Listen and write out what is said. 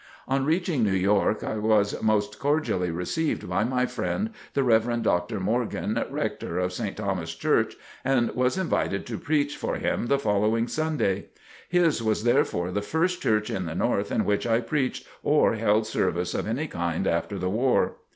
On reaching New York, I was most cordially received by my friend the Rev. Dr. Morgan, Rector of St. Thomas' Church, and was invited to preach for him the following Sunday. His was therefore the first church in the North in which I preached or held service of any kind after the war.